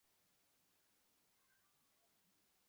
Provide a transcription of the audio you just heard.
তিনি তার প্রথম পুস্তিকা 'হ্যান্ডবুক ফর বয়েজ' লিখেন।